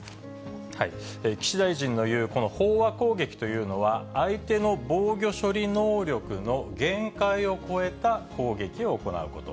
岸大臣の言うこの飽和攻撃というのは、相手の防御処理能力の限界を超えた攻撃を行うこと。